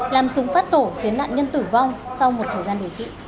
làm súng phát nổ khiến nạn nhân tử vong sau một thời gian điều trị